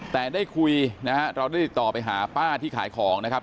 แต่ได้คุยนะฮะเราได้ติดต่อไปหาป้าที่ขายของนะครับ